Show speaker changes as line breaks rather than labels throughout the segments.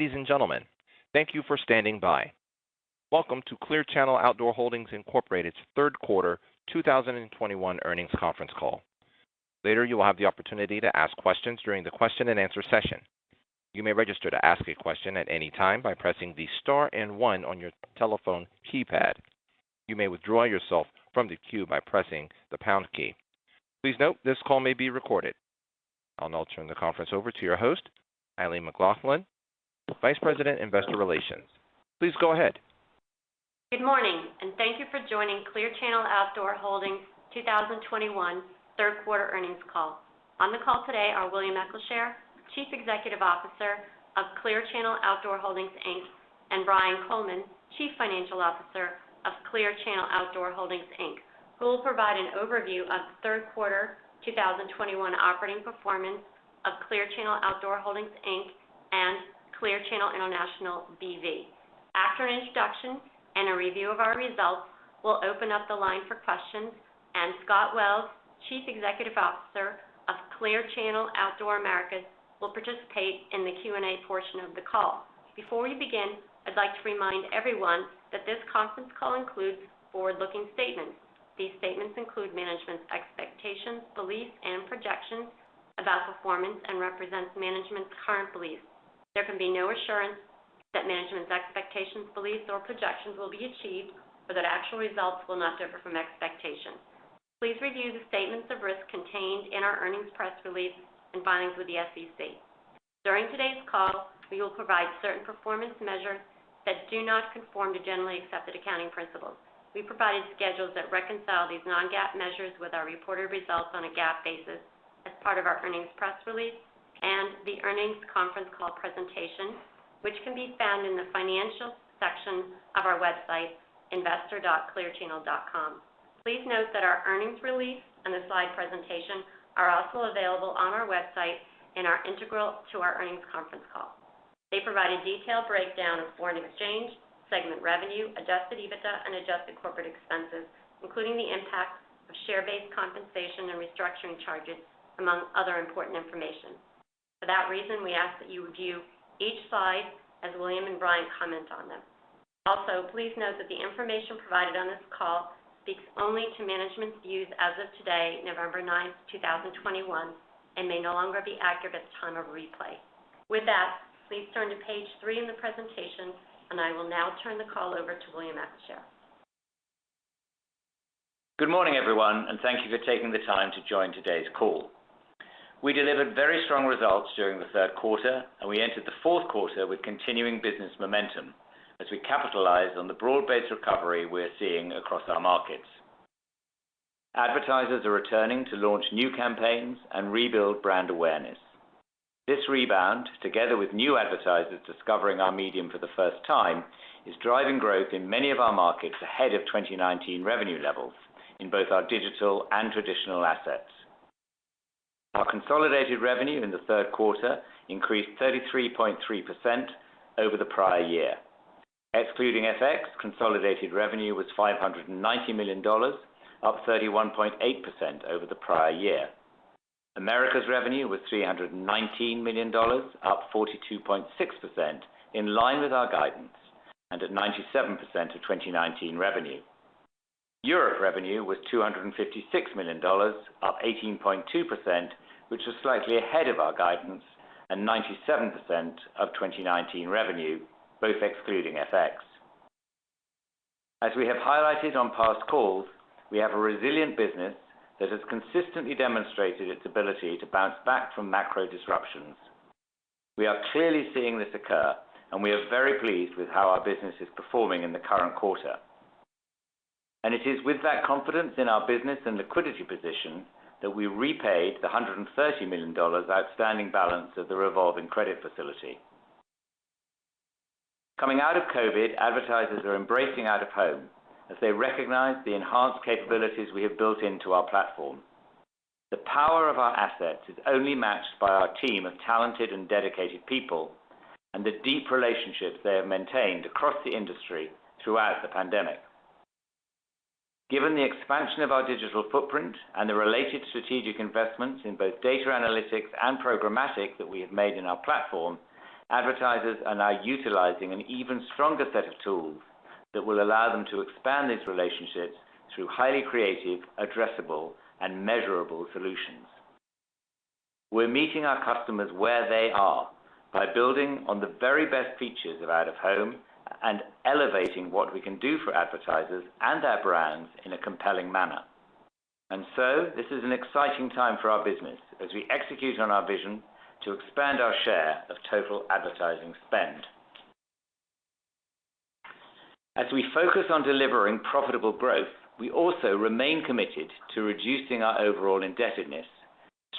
Ladies and gentlemen, thank you for standing by. Welcome to Clear Channel Outdoor Holdings, Inc.'s Q3 2021 Earnings Conference Call. Later, you will have the opportunity to ask questions during the question-and-answer session. You may register to ask a question at any time by pressing the star and one on your telephone keypad. You may withdraw yourself from the queue by pressing the pound key. Please note this call may be recorded. I'll now turn the conference over to your host, Eileen McLaughlin, Vice President, Investor Relations. Please go ahead.
Good morning, and thank you for joining Clear Channel Outdoor Holdings 2021 Third Quarter Earnings Call. On the call today are William Eccleshare, Chief Executive Officer of Clear Channel Outdoor Holdings, Inc., and Brian Coleman, Chief Financial Officer of Clear Channel Outdoor Holdings, Inc., who will provide an overview of third quarter 2021 operating performance of Clear Channel Outdoor Holdings, Inc. and Clear Channel International B.V. After an introduction and a review of our results, we'll open up the line for questions, and Scott Wells, Chief Executive Officer of Clear Channel Outdoor Americas, will participate in the Q&A portion of the call. Before we begin, I'd like to remind everyone that this conference call includes forward-looking statements. These statements include management's expectations, beliefs, and projections about performance and represents management's current beliefs. There can be no assurance that management's expectations, beliefs, or projections will be achieved or that actual results will not differ from expectations. Please review the statements of risk contained in our earnings press release and filings with the SEC. During today's call, we will provide certain performance measures that do not conform to generally accepted accounting principles. We provided schedules that reconcile these non-GAAP measures with our reported results on a GAAP basis as part of our earnings press release and the earnings conference call presentation, which can be found in the financial section of our website, investor.clearchannel.com. Please note that our earnings release and the slide presentation are also available on our website and are integral to our earnings conference call. They provide a detailed breakdown of foreign exchange, segment revenue, adjusted EBITDA, and adjusted corporate expenses, including the impact of share-based compensation and restructuring charges, among other important information. For that reason, we ask that you review each slide as William and Brian comment on them. Also, please note that the information provided on this call speaks only to management's views as of today, November 9th, 2021, and may no longer be accurate at the time of replay. With that, please turn to page three in the presentation, and I will now turn the call over to William Eccleshare.
Good morning, everyone, and thank you for taking the time to join today's call. We delivered very strong results during the third quarter, and we entered the fourth quarter with continuing business momentum as we capitalized on the broad-based recovery we're seeing across our markets. Advertisers are returning to launch new campaigns and rebuild brand awareness. This rebound, together with new advertisers discovering our medium for the first time, is driving growth in many of our markets ahead of 2019 revenue levels in both our digital and traditional assets. Our consolidated revenue in the third quarter increased 33.3% over the prior year. Excluding FX, consolidated revenue was $590 million, up 31.8% over the prior year. Americas revenue was $319 million, up 42.6%, in line with our guidance, and at 97% of 2019 revenue. Europe revenue was $256 million, up 18.2%, which was slightly ahead of our guidance, and 97% of 2019 revenue, both excluding FX. As we have highlighted on past calls, we have a resilient business that has consistently demonstrated its ability to bounce back from macro disruptions. We are clearly seeing this occur, and we are very pleased with how our business is performing in the current quarter. It is with that confidence in our business and liquidity position that we repaid the $130 million outstanding balance of the revolving credit facility. Coming out of COVID, advertisers are embracing out-of-home as they recognize the enhanced capabilities we have built into our platform. The power of our assets is only matched by our team of talented and dedicated people and the deep relationships they have maintained across the industry throughout the pandemic. Given the expansion of our digital footprint and the related strategic investments in both data analytics and programmatic that we have made in our platform, advertisers are now utilizing an even stronger set of tools that will allow them to expand these relationships through highly creative, addressable, and measurable solutions. We're meeting our customers where they are by building on the very best features of out-of-home and elevating what we can do for advertisers and our brands in a compelling manner. This is an exciting time for our business as we execute on our vision to expand our share of total advertising spend. As we focus on delivering profitable growth, we also remain committed to reducing our overall indebtedness,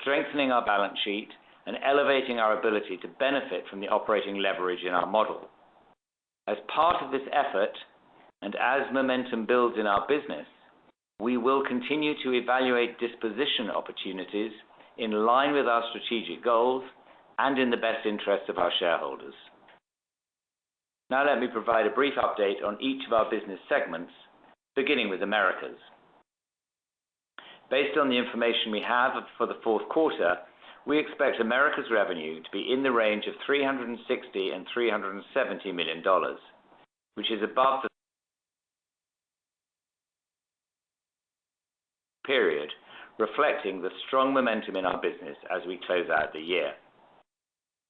strengthening our balance sheet, and elevating our ability to benefit from the operating leverage in our model. As part of this effort, and as momentum builds in our business, we will continue to evaluate disposition opportunities in line with our strategic goals and in the best interest of our shareholders. Now let me provide a brief update on each of our business segments, beginning with Americas. Based on the information we have for the fourth quarter, we expect Americas revenue to be in the range of $360 million-$370 million, which is above the prior period, reflecting the strong momentum in our business as we close out the year.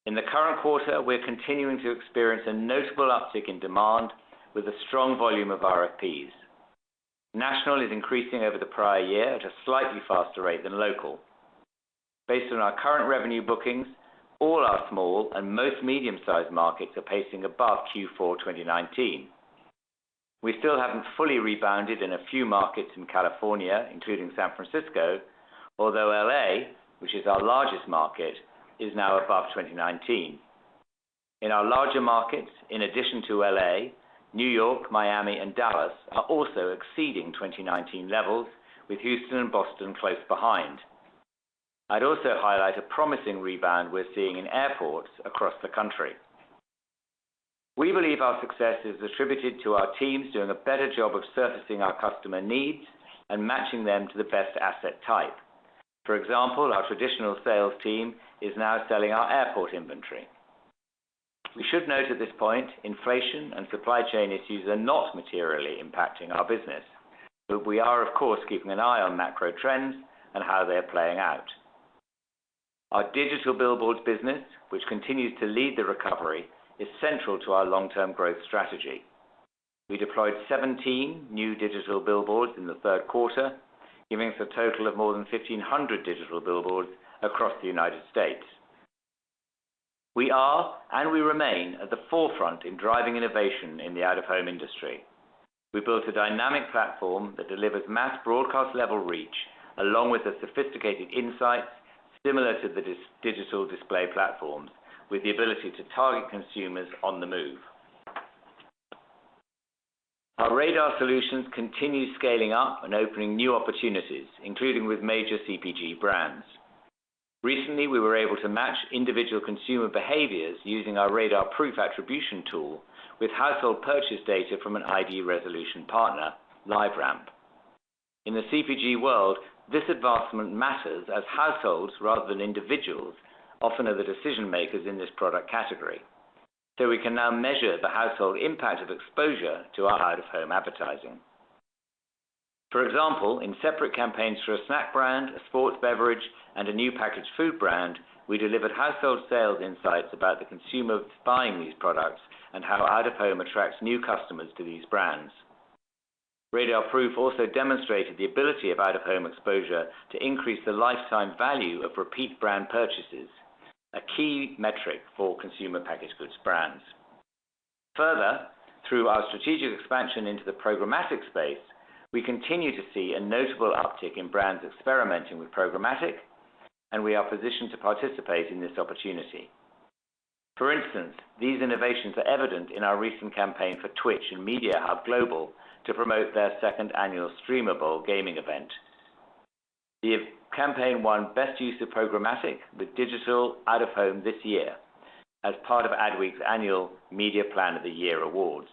In the current quarter, we're continuing to experience a notable uptick in demand with a strong volume of RFPs. National is increasing over the prior year at a slightly faster rate than local. Based on our current revenue bookings, all our small and most medium-sized markets are pacing above Q4 2019. We still haven't fully rebounded in a few markets in California, including San Francisco, although L.A., which is our largest market, is now above 2019. In our larger markets, in addition to L.A., New York, Miami, and Dallas, are also exceeding 2019 levels, with Houston and Boston close behind. I'd also highlight a promising rebound we're seeing in airports across the country. We believe our success is attributed to our teams doing a better job of surfacing our customer needs and matching them to the best asset type. For example, our traditional sales team is now selling our airport inventory. We should note at this point, inflation and supply chain issues are not materially impacting our business, but we are, of course, keeping an eye on macro trends and how they are playing out. Our digital billboards business, which continues to lead the recovery, is central to our long term growth strategy. We deployed 17 new digital billboards in the third quarter, giving us a total of more than 1,500 digital billboards across the United States. We are, and we remain at the forefront in driving innovation in the out-of-home industry. We built a dynamic platform that delivers mass broadcast level reach, along with the sophisticated insights similar to the digital display platforms, with the ability to target consumers on the move. Our RADAR solutions continue scaling up and opening new opportunities, including with major CPG brands. Recently, we were able to match individual consumer behaviors using our RADARProof attribution tool with household purchase data from an ID resolution partner, LiveRamp. In the CPG world, this advancement matters as households rather than individuals, often are the decision makers in this product category. We can now measure the household impact of exposure to our out-of-home advertising. For example, in separate campaigns for a snack brand, a sports beverage, and a new packaged food brand, we delivered household sales insights about the consumer buying these products and how out-of-home attracts new customers to these brands. RADARProof also demonstrated the ability of out-of-home exposure to increase the lifetime value of repeat brand purchases, a key metric for consumer packaged goods brands. Further, through our strategic expansion into the programmatic space, we continue to see a notable uptick in brands experimenting with programmatic, and we are positioned to participate in this opportunity. For instance, these innovations are evident in our recent campaign for Twitch and Mediahub Global to promote their second annual streamable gaming event. The campaign won best use of programmatic with digital out-of-home this year as part of Adweek's annual Media Plan of the Year awards.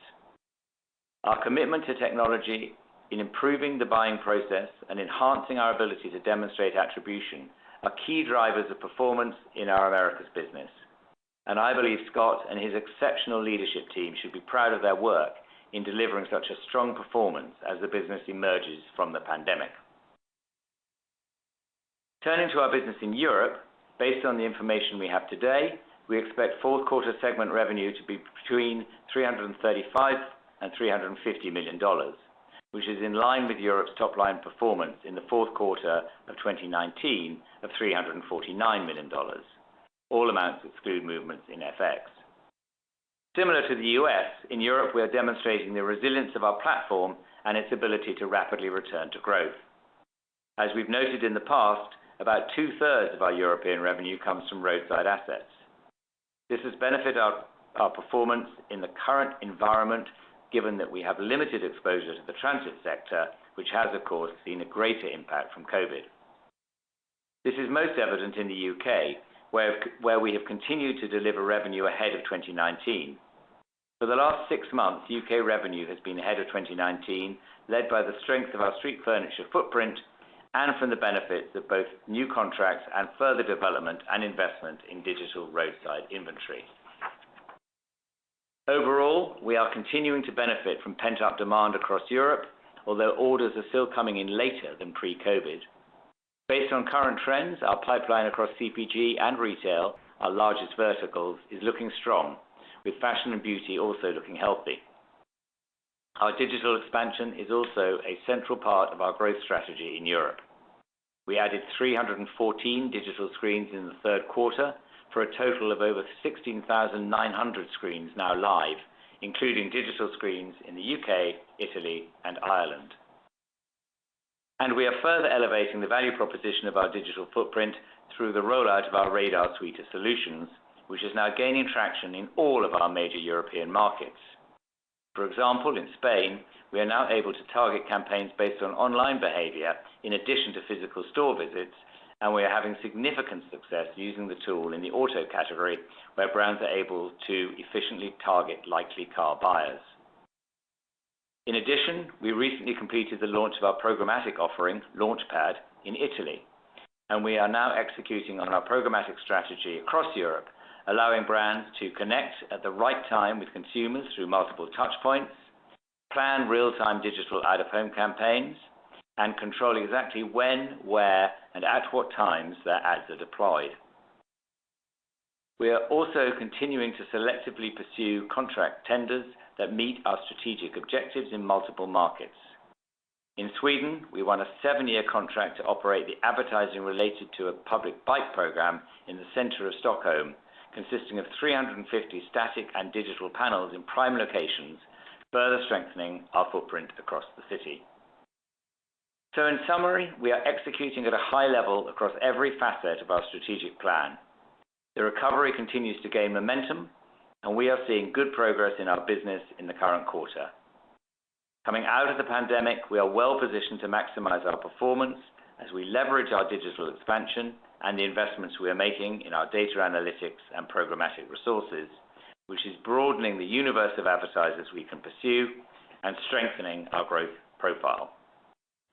Our commitment to technology in improving the buying process and enhancing our ability to demonstrate attribution are key drivers of performance in our Americas business, and I believe Scott and his exceptional leadership team should be proud of their work in delivering such a strong performance as the business emerges from the pandemic. Turning to our business in Europe, based on the information we have today, we expect fourth quarter segment revenue to be between $335 million and $350 million, which is in line with Europe's top line performance in the fourth quarter of 2019 of $349 million. All amounts exclude movements in FX. Similar to the U.S., in Europe, we are demonstrating the resilience of our platform and its ability to rapidly return to growth. As we've noted in the past, about 2/3 of our European revenue comes from roadside assets. This has benefited our performance in the current environment, given that we have limited exposure to the transit sector, which has of course, seen a greater impact from COVID. This is most evident in the U.K., where we have continued to deliver revenue ahead of 2019. For the last six months, U.K. revenue has been ahead of 2019, led by the strength of our street furniture footprint and from the benefits of both new contracts and further development and investment in digital roadside inventory. Overall, we are continuing to benefit from pent-up demand across Europe, although orders are still coming in later than pre-COVID. Based on current trends, our pipeline across CPG and retail, our largest verticals, is looking strong, with fashion and beauty also looking healthy. Our digital expansion is also a central part of our growth strategy in Europe. We added 314 digital screens in the third quarter, for a total of over 16,900 screens now live, including digital screens in the U.K., Italy and Ireland. We are further elevating the value proposition of our digital footprint through the rollout of our RADAR suite of solutions, which is now gaining traction in all of our major European markets. For example, in Spain, we are now able to target campaigns based on online behavior in addition to physical store visits, and we are having significant success using the tool in the auto category, where brands are able to efficiently target likely car buyers. In addition, we recently completed the launch of our programmatic offering, Launchpad, in Italy, and we are now executing on our programmatic strategy across Europe, allowing brands to connect at the right time with consumers through multiple touch points, plan real-time digital out-of-home campaigns, and control exactly when, where, and at what times their ads are deployed. We are also continuing to selectively pursue contract tenders that meet our strategic objectives in multiple markets. In Sweden, we won a seven-year contract to operate the advertising related to a public bike program in the center of Stockholm, consisting of 350 static and digital panels in prime locations, further strengthening our footprint across the city. In summary, we are executing at a high level across every facet of our strategic plan. The recovery continues to gain momentum, and we are seeing good progress in our business in the current quarter. Coming out of the pandemic, we are well-positioned to maximize our performance as we leverage our digital expansion and the investments we are making in our data analytics and programmatic resources, which is broadening the universe of advertisers we can pursue and strengthening our growth profile.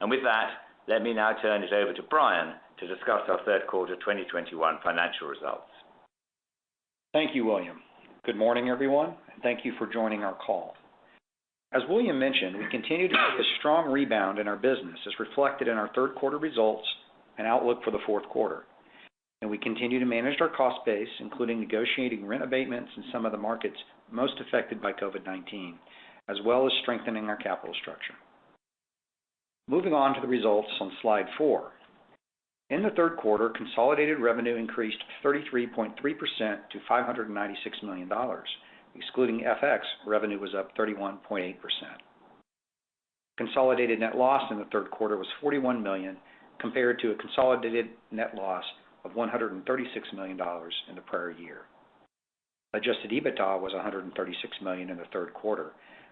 With that, let me now turn it over to Brian to discuss our Q3 2021 financial results.
Thank you, William. Good morning, everyone, and thank you for joining our call. As William mentioned, we continue to see a strong rebound in our business as reflected in our third quarter results and outlook for the fourth quarter. We continue to manage our cost base, including negotiating rent abatements in some of the markets most affected by COVID-19, as well as strengthening our capital structure. Moving on to the results on slide 4. In the third quarter, consolidated revenue increased 33.3% to $596 million. Excluding FX, revenue was up 31.8%. Consolidated net loss in the third quarter was $41 million, compared to a consolidated net loss of $136 million in the prior year. Adjusted EBITDA was $136 million in the third quarter,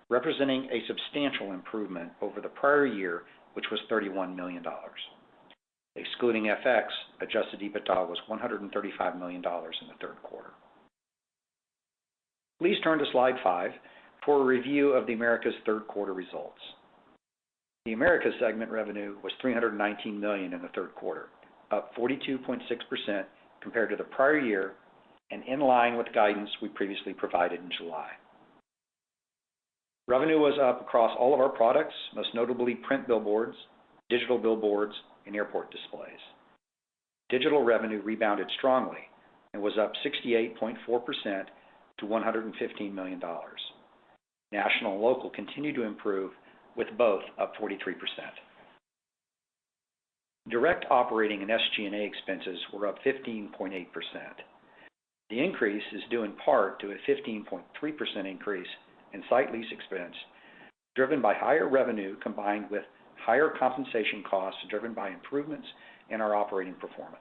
representing a substantial improvement over the prior year, which was $31 million. Excluding FX, adjusted EBITDA was $135 million in the third quarter. Please turn to slide five for a review of the Americas' third quarter results. The Americas segment revenue was $319 million in the third quarter, up 42.6% compared to the prior year and in line with guidance we previously provided in July. Revenue was up across all of our products, most notably print billboards, digital billboards, and airport displays. Digital revenue rebounded strongly and was up 68.4% to $115 million. National and local continued to improve, with both up 43%. Direct operating and SG&A expenses were up 15.8%. The increase is due in part to a 15.3% increase in site lease expense, driven by higher revenue, combined with higher compensation costs, driven by improvements in our operating performance.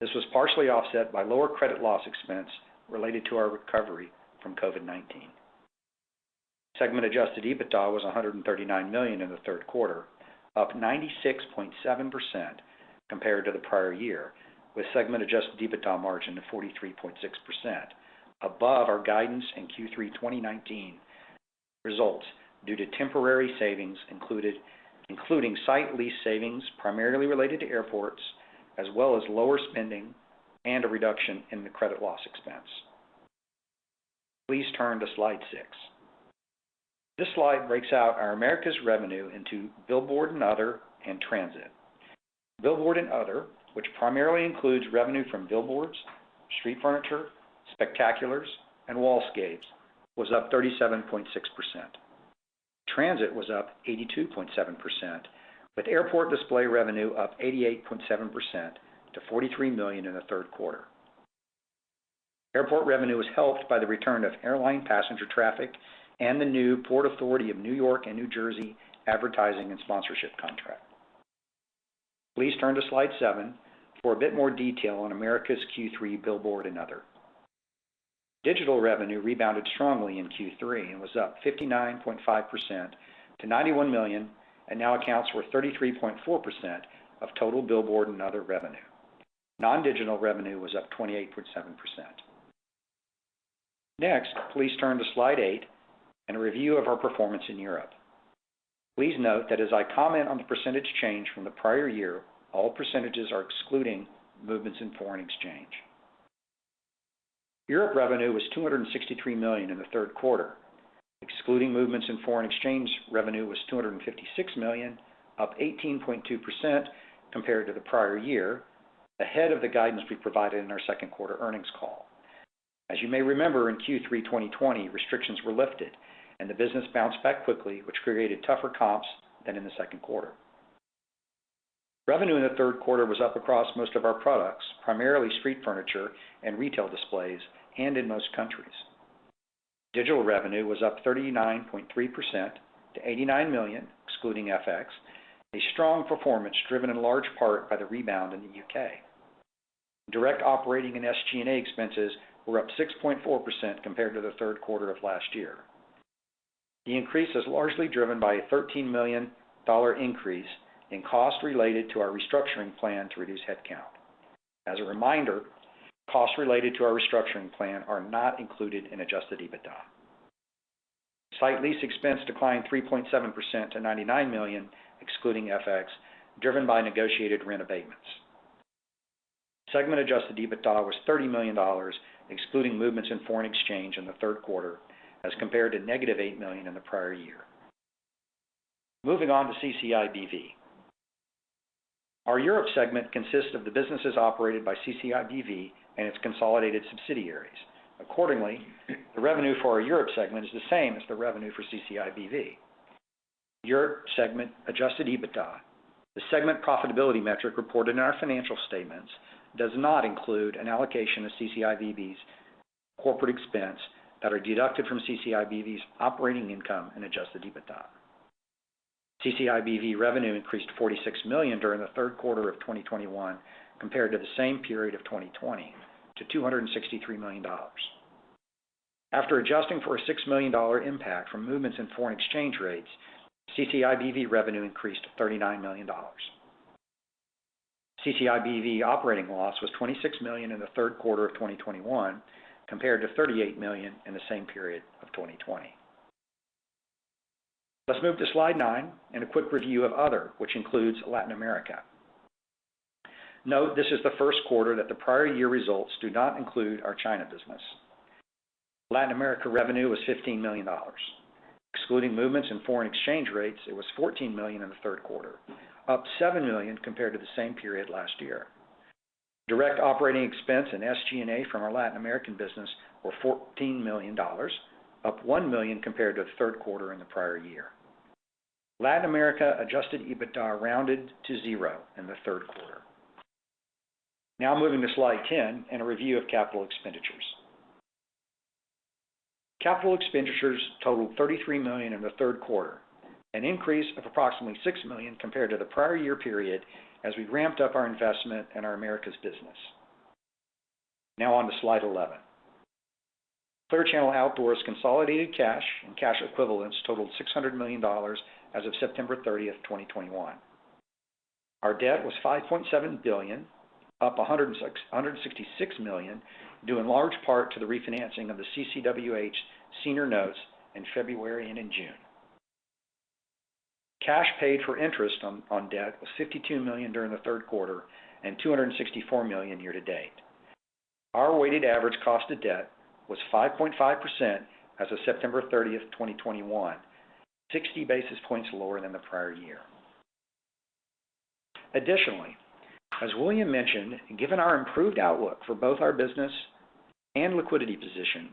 This was partially offset by lower credit loss expense related to our recovery from COVID-19. Segment adjusted EBITDA was $139 million in the third quarter, up 96.7% compared to the prior year with segment adjusted EBITDA margin to 43.6%, above our guidance in Q3 2019 results due to temporary savings included, including site lease savings, primarily related to airports, as well as lower spending and a reduction in the credit loss expense. Please turn to slide six. This slide breaks out our Americas revenue into billboard and other and transit. Billboard and other, which primarily includes revenue from billboards, street furniture, spectaculars, and wallscapes, was up 37.6%. Transit was up 82.7%, with airport display revenue up 88.7% to $43 million in the third quarter. Airport revenue was helped by the return of airline passenger traffic and the new Port Authority of New York and New Jersey advertising and sponsorship contract. Please turn to slide seven for a bit more detail on Americas Q3 billboard and other. Digital revenue rebounded strongly in Q3 and was up 59.5% to $91 million, and now accounts for 33.4% of total billboard and other revenue. Non-digital revenue was up 28.7%. Next, please turn to slide eight and a review of our performance in Europe. Please note that as I comment on the percentage change from the prior year, all percentages are excluding movements in foreign exchange. Europe revenue was $263 million in the third quarter. Excluding movements in foreign exchange, revenue was $256 million, up 18.2% compared to the prior year, ahead of the guidance we provided in our second quarter earnings call. As you may remember, in Q3 2020, restrictions were lifted and the business bounced back quickly, which created tougher comps than in the second quarter. Revenue in the third quarter was up across most of our products, primarily street furniture and retail displays, and in most countries. Digital revenue was up 39.3% to $89 million, excluding FX, a strong performance driven in large part by the rebound in the U.K. Direct operating and SG&A expenses were up 6.4% compared to the third quarter of last year. The increase is largely driven by a $13 million increase in cost related to our restructuring plan to reduce headcount. As a reminder, costs related to our restructuring plan are not included in adjusted EBITDA. Site lease expense declined 3.7% to $99 million, excluding FX, driven by negotiated rent abatements. Segment adjusted EBITDA was $30 million, excluding movements in foreign exchange in the third quarter as compared to -$8 million in the prior year. Moving on to CCIBV. Our Europe segment consists of the businesses operated by CCIBV and its consolidated subsidiaries. Accordingly, the revenue for our Europe segment is the same as the revenue for CCIBV. Europe segment adjusted EBITDA, the segment profitability metric reported in our financial statements, does not include an allocation of CCIBV's corporate expenses that are deducted from CCIBV's operating income and adjusted EBITDA. CCIBV revenue increased $46 million during the third quarter of 2021 compared to the same period of 2020 to $263 million. After adjusting for a $6 million impact from movements in foreign exchange rates, CCIBV revenue increased $39 million. CCIBV operating loss was $26 million in the third quarter of 2021 compared to $38 million in the same period of 2020. Let's move to slide nine and a quick review of Other, which includes Latin America. Note this is the first quarter that the prior year results do not include our China business. Latin America revenue was $15 million. Excluding movements in foreign exchange rates, it was $14 million in the third quarter, up $7 million compared to the same period last year. Direct operating expense and SG&A from our Latin American business were $14 million, up $1 million compared to the third quarter in the prior year. Latin America adjusted EBITDA rounded to zero in the third quarter. Now moving to slide 10 and a review of capital expenditures. Capital expenditures totaled $33 million in the third quarter, an increase of approximately $6 million compared to the prior year period as we ramped up our investment in our Americas business. Now on to slide 11. Clear Channel Outdoor's consolidated cash and cash equivalents totaled $600 million as of September 30, 2021. Our debt was $5.7 billion, up $166 million, due in large part to the refinancing of the CCWH senior notes in February and in June. Cash paid for interest on debt was $52 million during the third quarter and $264 million year to date. Our weighted average cost of debt was 5.5% as of September 30, 2021, 60 basis points lower than the prior year. Additionally, as William mentioned, given our improved outlook for both our business and liquidity position,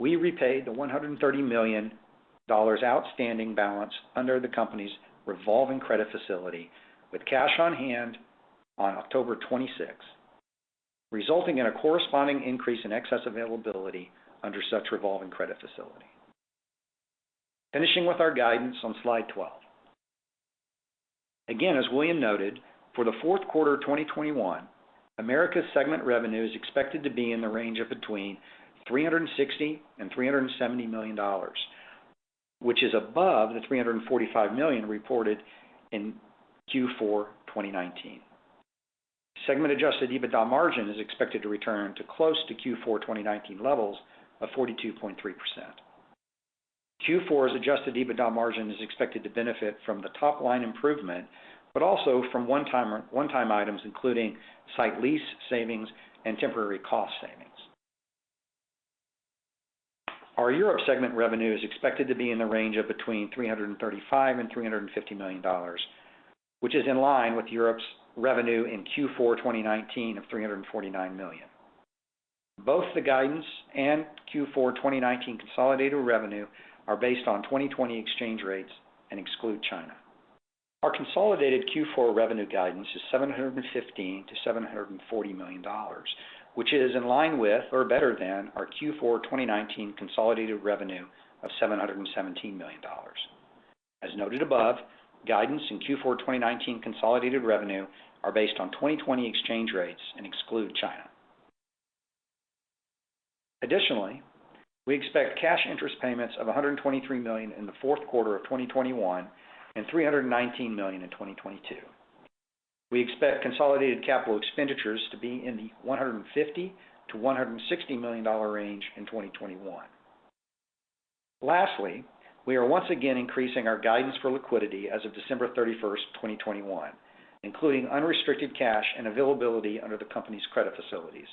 we repaid the $130 million outstanding balance under the company's revolving credit facility with cash on hand on October 26, resulting in a corresponding increase in excess availability under such revolving credit facility. Finishing with our guidance on slide 12. Again, as William noted, for the fourth quarter of 2021, Americas segment revenue is expected to be in the range of between $360 million and $370 million, which is above the $345 million reported in Q4 2019. Segment adjusted EBITDA margin is expected to return to close to Q4 2019 levels of 42.3%. Q4's adjusted EBITDA margin is expected to benefit from the top-line improvement, but also from one-time items, including site lease savings and temporary cost savings. Our Europe segment revenue is expected to be in the range of between $335 million and $350 million, which is in line with Europe's revenue in Q4 2019 of $349 million. Both the guidance and Q4 2019 consolidated revenue are based on 2020 exchange rates and exclude China. Our consolidated Q4 revenue guidance is $715 million-$740 million, which is in line with or better than our Q4 2019 consolidated revenue of $717 million. As noted above, guidance and Q4 2019 consolidated revenue are based on 2020 exchange rates and exclude China. Additionally, we expect cash interest payments of $123 million in the fourth quarter of 2021 and $319 million in 2022. We expect consolidated capital expenditures to be in the $150 million-$160 million range in 2021. Lastly, we are once again increasing our guidance for liquidity as of December 31st, 2021, including unrestricted cash and availability under the company's credit facilities.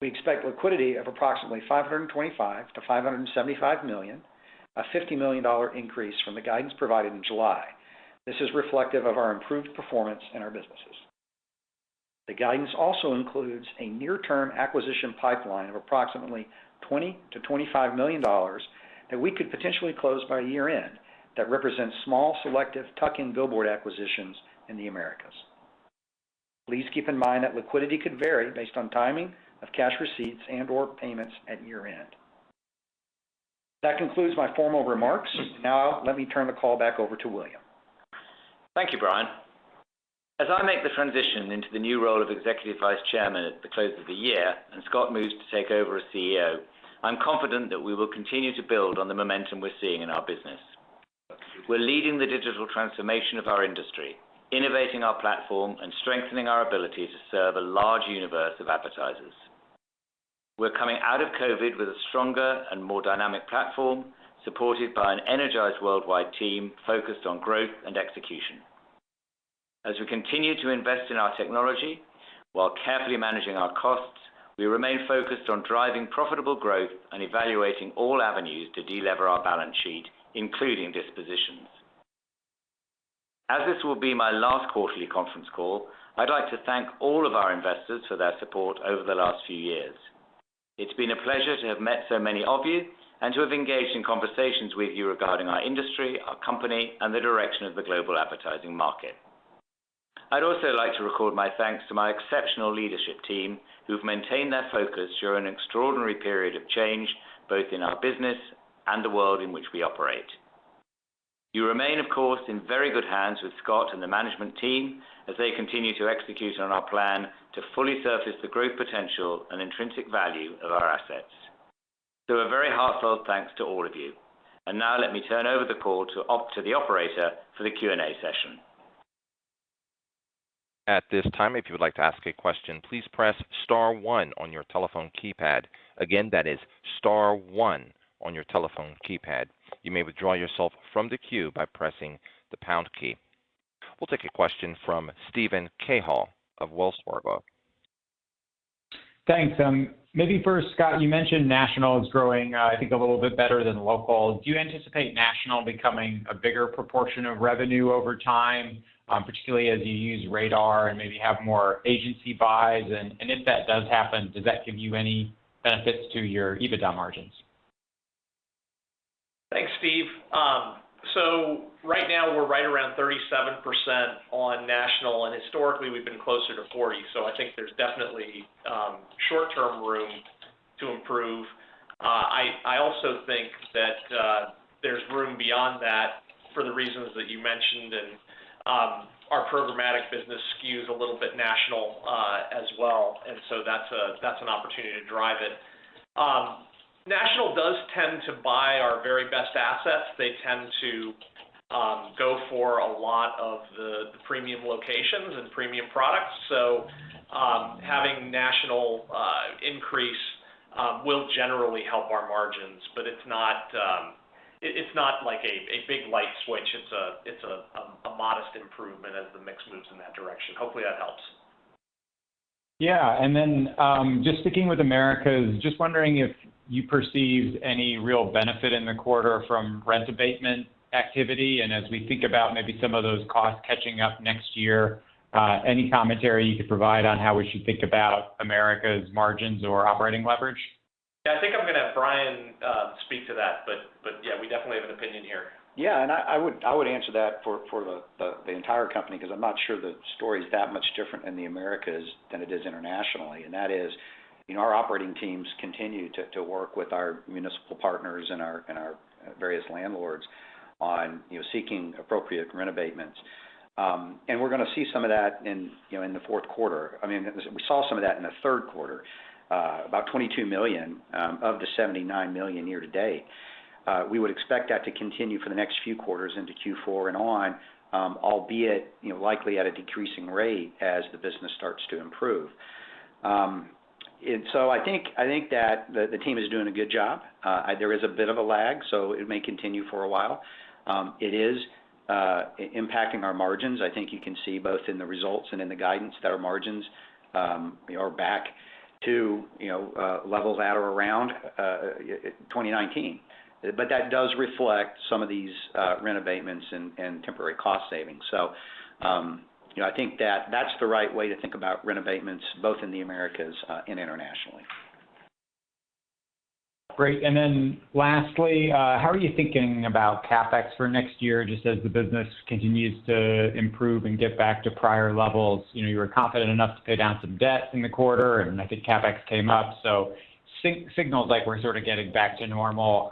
We expect liquidity of approximately $525 million-$575 million, a $50 million increase from the guidance provided in July. This is reflective of our improved performance in our businesses. The guidance also includes a near-term acquisition pipeline of approximately $20 million-$25 million that we could potentially close by year-end that represents small, selective tuck-in billboard acquisitions in the Americas. Please keep in mind that liquidity could vary based on timing of cash receipts and/or payments at year-end. That concludes my formal remarks. Now let me turn the call back over to William.
Thank you, Brian. As I make the transition into the new role of Executive Vice Chairman at the close of the year and Scott moves to take over as CEO, I'm confident that we will continue to build on the momentum we're seeing in our business. We're leading the digital transformation of our industry, innovating our platform, and strengthening our ability to serve a large universe of advertisers. We're coming out of COVID with a stronger and more dynamic platform, supported by an energized worldwide team focused on growth and execution. As we continue to invest in our technology while carefully managing our costs, we remain focused on driving profitable growth and evaluating all avenues to delever our balance sheet, including dispositions. As this will be my last quarterly conference call, I'd like to thank all of our investors for their support over the last few years. It's been a pleasure to have met so many of you and to have engaged in conversations with you regarding our industry, our company, and the direction of the global advertising market. I'd also like to record my thanks to my exceptional leadership team, who've maintained their focus during an extraordinary period of change, both in our business and the world in which we operate. You remain, of course, in very good hands with Scott and the management team as they continue to execute on our plan to fully surface the growth potential and intrinsic value of our assets. So a very heartfelt thanks to all of you. Now let me turn over the call to the operator for the Q&A session.
At this time, if you would like to ask a question, please press star one on your telephone keypad. Again, that is star one on your telephone keypad. You may withdraw yourself from the queue by pressing the pound key. We'll take a question from Steven Cahall of Wells Fargo.
Thanks. Maybe first, Scott, you mentioned national is growing, I think a little bit better than local. Do you anticipate national becoming a bigger proportion of revenue over time, particularly as you use RADAR and maybe have more agency buys? If that does happen, does that give you any benefits to your EBITDA margins?
Thanks, Steve. Right now we're right around 37% on national, and historically we've been closer to 40. I think there's definitely short-term room to improve. I also think that there's room beyond that for the reasons that you mentioned, and our programmatic business skews a little bit national as well. That's an opportunity to drive it. National does tend to buy our very best assets. They tend to go for a lot of the premium locations and premium products. Having national increase will generally help our margins, but it's not like a big light switch. It's a modest improvement as the mix moves in that direction. Hopefully, that helps.
Yeah. Then, just sticking with Americas, just wondering if you perceive any real benefit in the quarter from rent abatement activity. As we think about maybe some of those costs catching up next year, any commentary you could provide on how we should think about America's margins or operating leverage?
Yeah. I think I'm gonna have Brian speak to that. Yeah, we definitely have an opinion here.
Yeah. I would answer that for the entire company, 'cause I'm not sure the story's that much different in the Americas than it is internationally. That is, our operating teams continue to work with our municipal partners and our various landlords on seeking appropriate rent abatements. We're gonna see some of that in the fourth quarter. I mean, we saw some of that in the third quarter, about $22 million of the $79 million year to date. We would expect that to continue for the next few quarters into Q4 and on, albeit likely at a decreasing rate as the business starts to improve. I think that the team is doing a good job. There is a bit of a lag, so it may continue for a while. It is impacting our margins. I think you can see both in the results and in the guidance that our margins are back to, you know, levels at or around 2019. That does reflect some of these rent abatements and temporary cost savings. You know, I think that that's the right way to think about rent abatements, both in the Americas and International.
Great. Lastly, how are you thinking about CapEx for next year, just as the business continues to improve and get back to prior levels? You know, you were confident enough to pay down some debt in the quarter, and I think CapEx came up. Signals like we're sort of getting back to normal.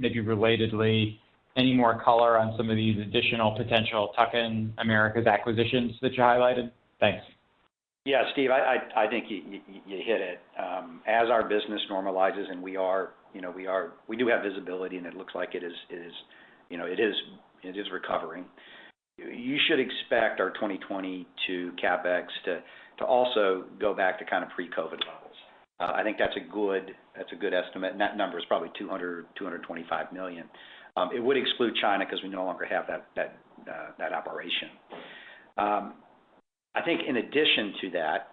Maybe relatedly, any more color on some of these additional potential tuck-in Americas acquisitions that you highlighted? Thanks.
Yeah, Steve, I think you hit it. As our business normalizes, and we are, you know, we do have visibility, and it looks like it is, you know, recovering. You should expect our 2022 CapEx to also go back to kind of pre-COVID levels. I think that's a good estimate. That number is probably $225 million. It would exclude China 'cause we no longer have that operation. I think in addition to that,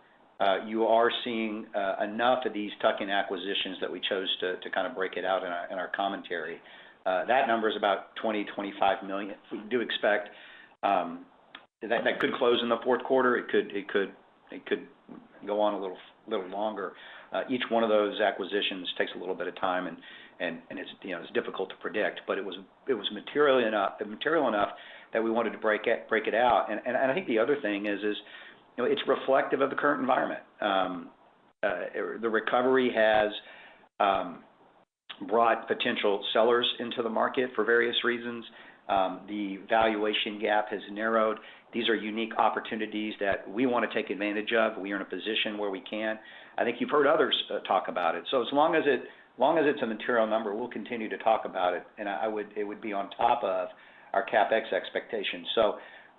you are seeing enough of these tuck-in acquisitions that we chose to kind of break it out in our commentary. That number is about $25 million. We do expect that could close in the fourth quarter. It could go on a little longer. Each one of those acquisitions takes a little bit of time and it's, you know, it's difficult to predict, but it was material enough that we wanted to break it out. I think the other thing is, you know, it's reflective of the current environment. The recovery has brought potential sellers into the market for various reasons. The valuation gap has narrowed. These are unique opportunities that we wanna take advantage of. We are in a position where we can. I think you've heard others talk about it. As long as it's a material number, we'll continue to talk about it, and it would be on top of our CapEx expectations.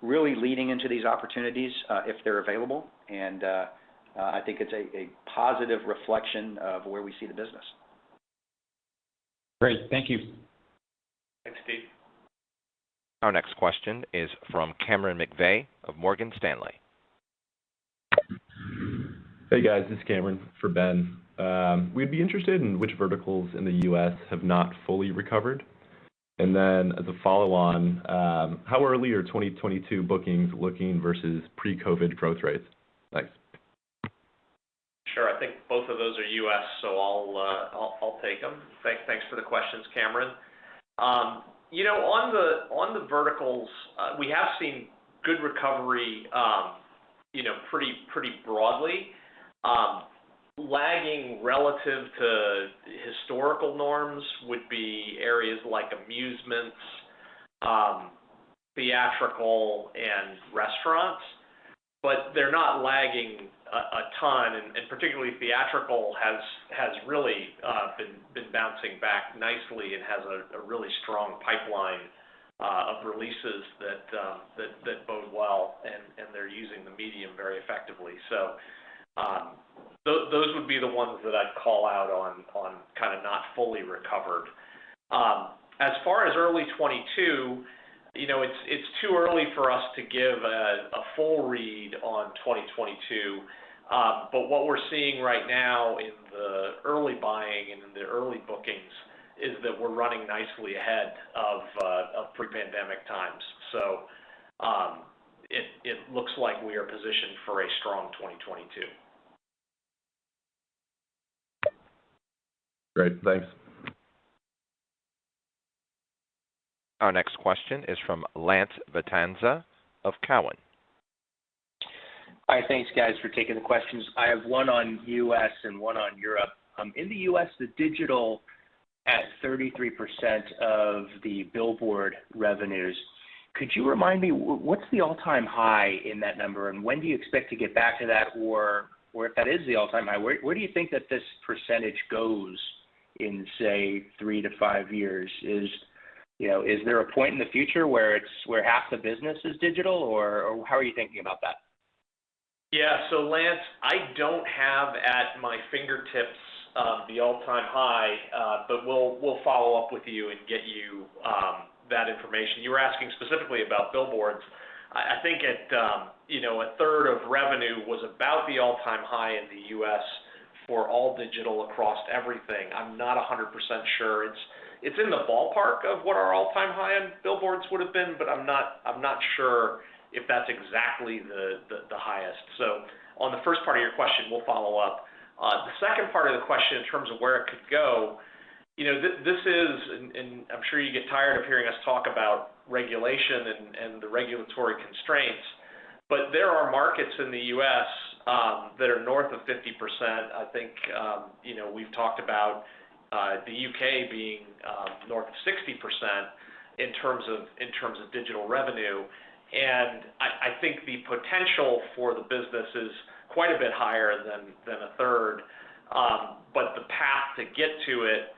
Really leading into these opportunities, if they're available, and I think it's a positive reflection of where we see the business.
Great. Thank you.
Thanks, Steve.
Our next question is from Cameron McVey of Morgan Stanley.
Hey, guys, this is Cameron. For Ben, we'd be interested in which verticals in the U.S. have not fully recovered. Then as a follow-on, how early are 2022 bookings looking versus pre-COVID growth rates? Thanks.
Sure. I think both of those are U.S., so I'll take them. Thanks for the questions, Cameron. You know, on the verticals, we have seen good recovery, you know, pretty broadly. Lagging relative to historical norms would be areas like amusements, theatrical, and restaurants. They're not lagging a ton, and particularly theatrical has really been bouncing back nicely and has a really strong pipeline of releases that bode well, and they're using the medium very effectively. Those would be the ones that I'd call out on kinda not fully recovered. As far as early 2022, you know, it's too early for us to give a full read on 2022. What we're seeing right now in the early buying and in the early bookings is that we're running nicely ahead of pre-pandemic times. It looks like we are positioned for a strong 2022.
Great. Thanks.
Our next question is from Lance Vitanza of Cowen.
All right, thanks guys for taking the questions. I have one on U.S. and one on Europe. In the U.S., the digital at 33% of the billboard revenues. Could you remind me what's the all-time high in that number, and when do you expect to get back to that? Or if that is the all-time high, where do you think that this percentage goes in, say, three-five years? You know, is there a point in the future where half the business is digital, or how are you thinking about that?
Lance, I don't have at my fingertips the all-time high, but we'll follow up with you and get you that information. You were asking specifically about billboards. I think at, you know, a third of revenue was about the all-time high in the U.S. for all digital across everything. I'm not 100% sure. It's in the ballpark of what our all-time high on billboards would've been, but I'm not sure if that's exactly the highest. On the first part of your question, we'll follow up. The second part of the question in terms of where it could go, you know, this is, and I'm sure you get tired of hearing us talk about regulation and the regulatory constraints, but there are markets in the U.S. that are north of 50%. I think, you know, we've talked about the U.K. being north of 60% in terms of digital revenue. I think the potential for the business is quite a bit higher than a third. But the path to get to it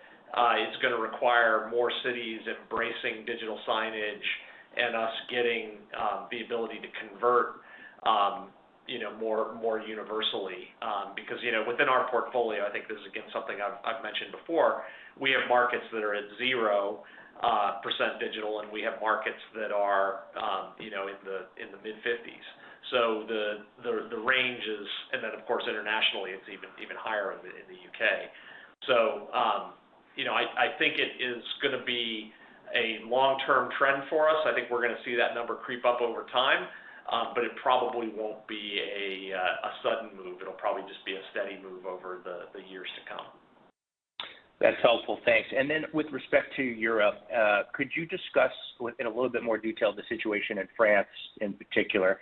is gonna require more cities embracing digital signage and us getting the ability to convert, you know, more universally. Because you know, within our portfolio, I think this is again something I've mentioned before, we have markets that are at 0% digital, and we have markets that are you know in the mid-50s%. The range is. Of course, internationally, it's even higher in the U.K. You know, I think it is gonna be a long-term trend for us. I think we're gonna see that number creep up over time, but it probably won't be a sudden move. It'll probably just be a steady move over the years to come.
That's helpful. Thanks. Then with respect to Europe, could you discuss in a little bit more detail the situation in France in particular?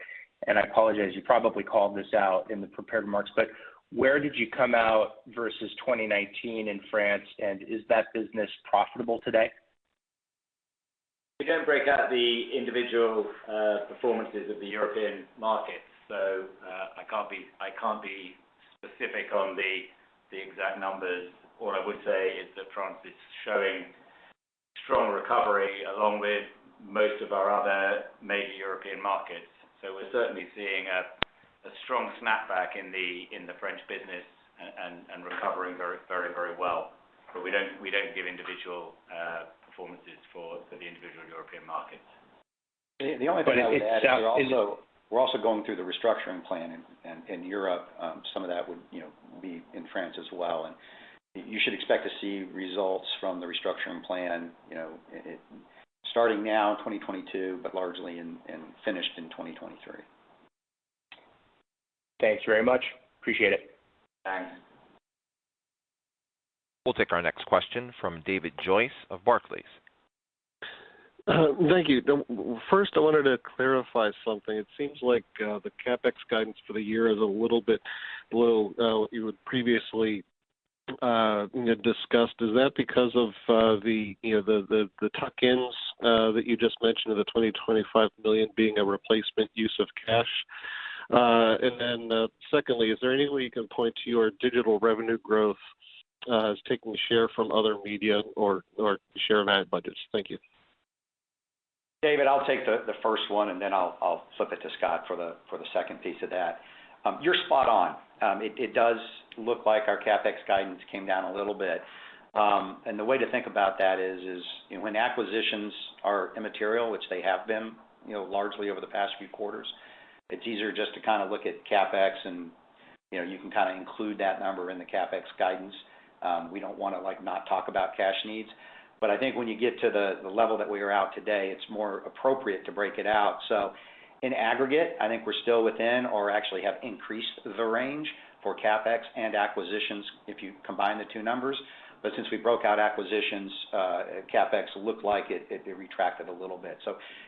I apologize, you probably called this out in the prepared remarks, but where did you come out versus 2019 in France, and is that business profitable today?
We don't break out the individual performances of the European markets, so I can't be specific on the exact numbers. All I would say is that France is showing strong recovery along with most of our other major European markets. We're certainly seeing a strong snapback in the French business and recovering very well. We don't give individual performances for the individual European markets.
The only thing I would add is we're also going through the restructuring plan in Europe. Some of that would you know be in France as well, and you should expect to see results from the restructuring plan, you know, it starting now in 2022, but largely finished in 2023.
Thanks very much. Appreciate it.
Thanks.
We'll take our next question from David Joyce of Barclays.
Thank you. First I wanted to clarify something. It seems like the CapEx guidance for the year is a little bit low. You had previously, you know, discussed. Is that because of, you know, the tuck-ins that you just mentioned of the $20 million-$25 million being a replacement use of cash? Secondly, is there any way you can point to your digital revenue growth as taking share from other media or share of ad budgets? Thank you.
David, I'll take the first one, and then I'll flip it to Scott for the second piece of that. You're spot on. It does look like our CapEx guidance came down a little bit. The way to think about that is you know, when acquisitions are immaterial, which they have been you know, largely over the past few quarters, it's easier just to kind of look at CapEx and you know, you can kind of include that number in the CapEx guidance. We don't wanna like not talk about cash needs. But I think when you get to the level that we are out today, it's more appropriate to break it out. In aggregate, I think we're still within or actually have increased the range for CapEx and acquisitions if you combine the two numbers. Since we broke out acquisitions, CapEx looked like it retracted a little bit.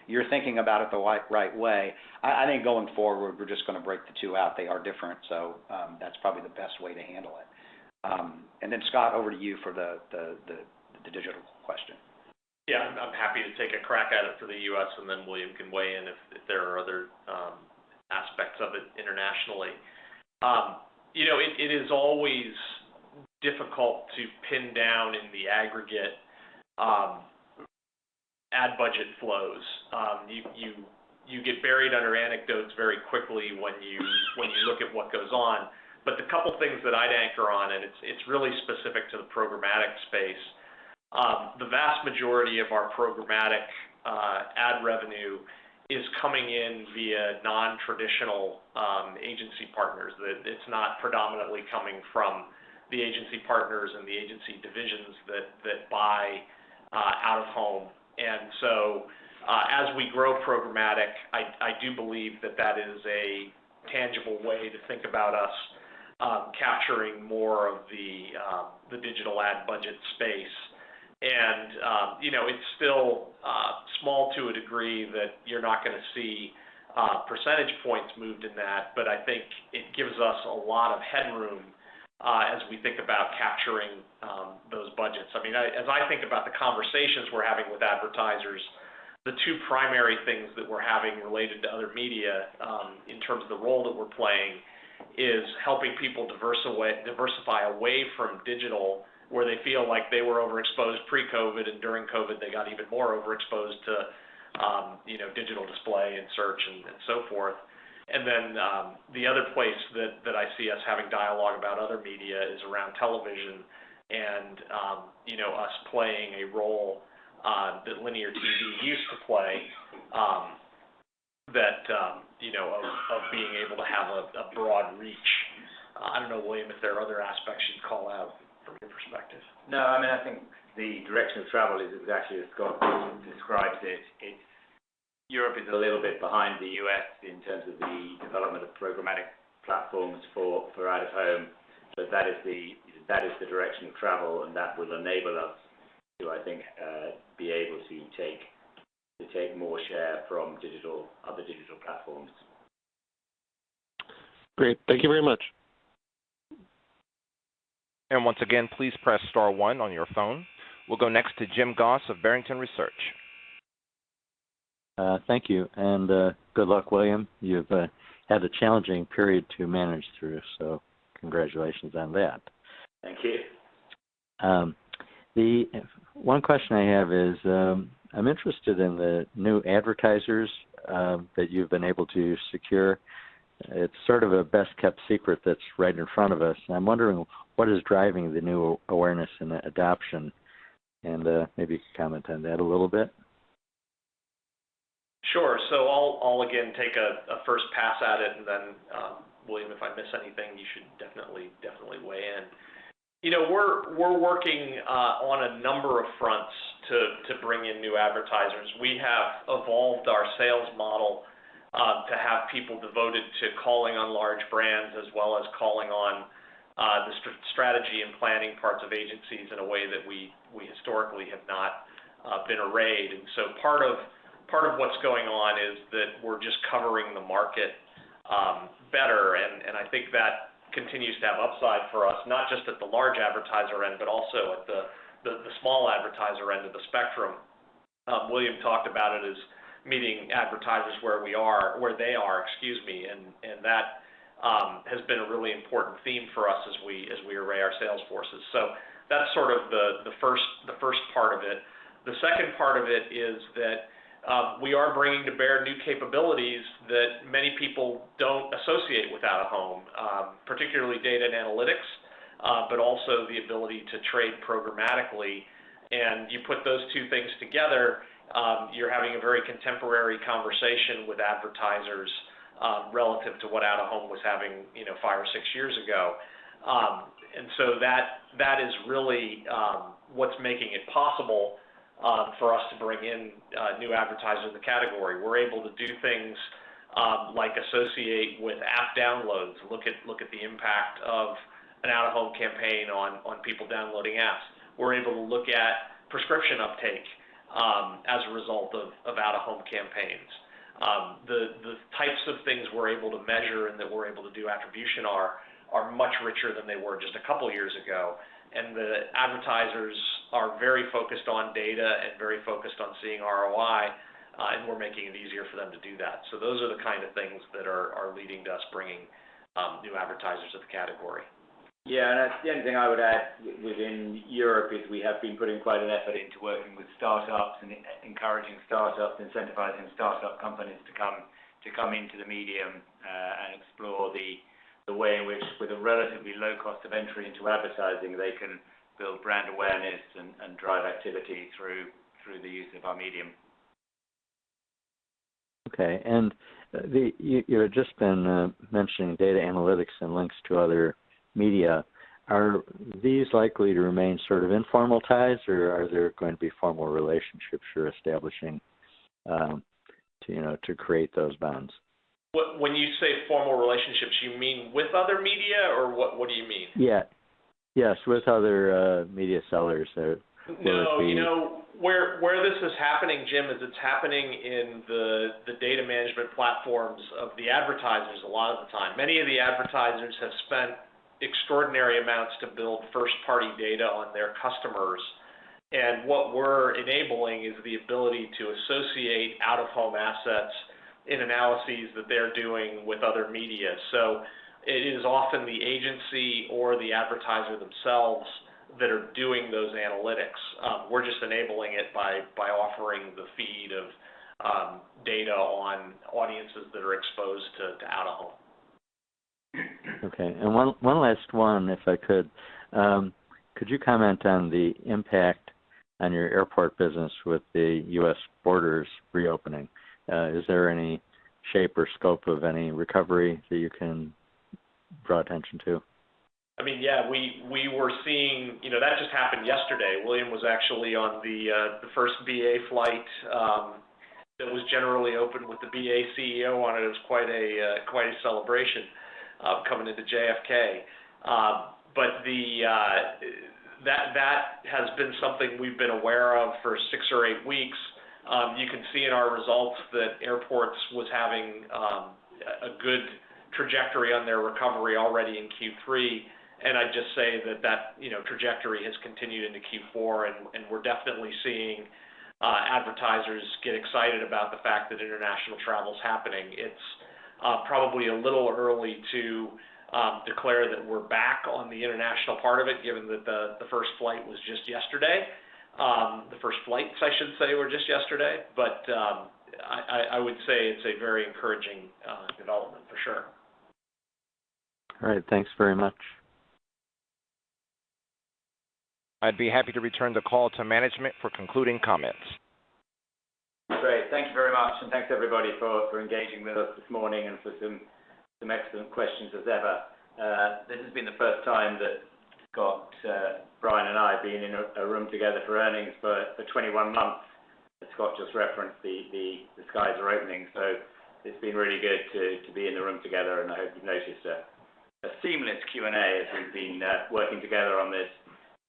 You're thinking about it the right way. I think going forward, we're just gonna break the two out. They are different, so that's probably the best way to handle it. Then Scott, over to you for the digital question.
Yeah. I'm happy to take a crack at it for the U.S., and then William can weigh in if there are other aspects of it internationally. You know, it is always difficult to pin down in the aggregate ad budget flows. You get buried under anecdotes very quickly when you look at what goes on. The couple things that I'd anchor on, and it's really specific to the programmatic space. The vast majority of our programmatic ad revenue is coming in via non-traditional agency partners. That it's not predominantly coming from the agency partners and the agency divisions that buy out-of-home. As we grow programmatic, I do believe that that is a tangible way to think about us capturing more of the digital ad budget space. You know, it's still small to a degree that you're not gonna see percentage points moved in that, but I think it gives us a lot of headroom as we think about capturing those budgets. I mean, as I think about the conversations we're having with advertisers, the two primary things that we're having related to other media in terms of the role that we're playing is helping people diversify away from digital, where they feel like they were overexposed pre-COVID, and during COVID, they got even more overexposed to you know, digital display and search and so forth. The other place that I see us having dialogue about other media is around television and, you know, us playing a role that linear TV used to play, you know, of being able to have a broad reach. I don't know, William, if there are other aspects you'd call out from your perspective.
No, I mean, I think the direction of travel is actually as Scott describes it. It's Europe is a little bit behind the U.S. in terms of the development of programmatic platforms for out-of-home. But that is the direction of travel, and that will enable us to, I think, be able to take more share from digital, other digital platforms.
Great. Thank you very much.
Once again, please press star one on your phone. We'll go next to James Goss of Barrington Research.
Thank you, and good luck, William. You've had a challenging period to manage through, so congratulations on that.
Thank you.
One question I have is, I'm interested in the new advertisers that you've been able to secure. It's sort of a best-kept secret that's right in front of us, and I'm wondering what is driving the new awareness and adoption, and maybe you could comment on that a little bit.
Sure. I'll again take a first pass at it, and then, William, if I miss anything, you should definitely weigh in. You know, we're working on a number of fronts to bring in new advertisers. We have evolved our sales model to have people devoted to calling on large brands as well as calling on the strategy and planning parts of agencies in a way that we historically have not been arrayed. Part of what's going on is that we're just covering the market better, and I think that continues to have upside for us, not just at the large advertiser end but also at the small advertiser end of the spectrum. William talked about it as meeting advertisers where they are, and that has been a really important theme for us as we array our sales forces. That's sort of the first part of it. The second part of it is that we are bringing to bear new capabilities that many people don't associate with out-of-home, particularly data and analytics, but also the ability to trade programmatically. You put those two things together, you're having a very contemporary conversation with advertisers, relative to what out-of-home was having, you know, five or six years ago. That is really what's making it possible for us to bring in new advertisers in the category. We're able to do things, like associate with app downloads, look at the impact of an out-of-home campaign on people downloading apps. We're able to look at prescription uptake, as a result of out-of-home campaigns. The types of things we're able to measure and that we're able to do attribution are much richer than they were just a couple years ago. The advertisers are very focused on data and very focused on seeing ROI, and we're making it easier for them to do that. Those are the kind of things that are leading to us bringing new advertisers to the category.
Yeah. The only thing I would add within Europe is we have been putting quite an effort into working with startups and encouraging startups, incentivizing startup companies to come to come into the medium and explore the way in which with a relatively low cost of entry into advertising, they can build brand awareness and drive activity through the use of our medium.
Okay. You had just been mentioning data analytics and links to other media. Are these likely to remain sort of informal ties, or are there going to be formal relationships you're establishing, you know, to create those bonds?
When you say formal relationships, you mean with other media or what do you mean?
Yeah. Yes. With other media sellers that are being
No, you know, where this is happening, James, is. It's happening in the data management platforms of the advertisers a lot of the time. Many of the advertisers have spent extraordinary amounts to build first-party data on their customers. What we're enabling is the ability to associate out-of-home assets in analyses that they're doing with other media. It is often the agency or the advertiser themselves that are doing those analytics. We're just enabling it by offering the feed of data on audiences that are exposed to out-of-home.
Okay. One last one, if I could. Could you comment on the impact on your airport business with the U.S. borders reopening? Is there any shape or scope of any recovery that you can draw attention to?
I mean, yeah. We were seeing you know that just happened yesterday. William Eccleshare was actually on the first BA flight that was generally open with the BA CEO on it. It was quite a celebration coming into JFK. That has been something we've been aware of for six or eight weeks. You can see in our results that airports was having a good trajectory on their recovery already in Q3. I'd just say that trajectory has continued into Q4, and we're definitely seeing advertisers get excited about the fact that international travel is happening. It's probably a little early to declare that we're back on the international part of it, given that the first flight was just yesterday. The first flights, I should say, were just yesterday. I would say it's a very encouraging development for sure.
All right. Thanks very much.
I'd be happy to return the call to management for concluding comments.
Great. Thank you very much, and thanks everybody for engaging with us this morning and for some excellent questions as ever. This has been the first time that Scott, Brian, and I have been in a room together for earnings for 21 months. As Scott just referenced, the skies are opening. It's been really good to be in the room together, and I hope you've noticed a seamless Q&A as we've been working together on this.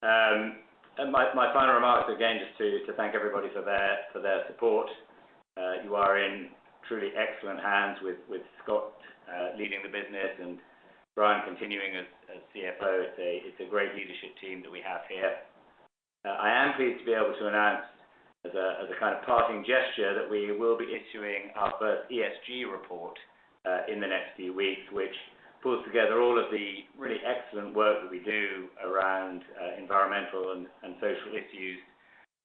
My final remarks, again, just to thank everybody for their support. You are in truly excellent hands with Scott leading the business and Brian continuing as CFO. It's a great leadership team that we have here. I am pleased to be able to announce as a kind of parting gesture that we will be issuing our first ESG report in the next few weeks, which pulls together all of the really excellent work that we do around environmental and social issues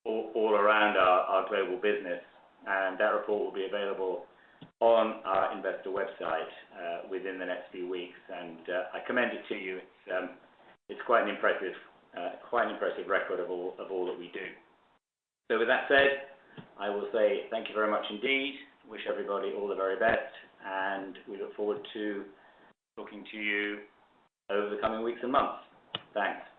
all around our global business. That report will be available on our investor website within the next few weeks. I commend it to you. It's quite an impressive record of all that we do. With that said, I will say thank you very much indeed. Wish everybody all the very best, and we look forward to talking to you over the coming weeks and months. Thanks.